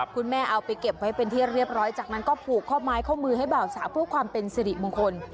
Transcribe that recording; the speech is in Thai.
คุณแม่เอาไปเก็บไว้เป็นที่เรียบร้อยจากนั้นก็ผูกข้อไม้ข้อมือให้เบาสาวเพื่อความเป็นสิริมงคล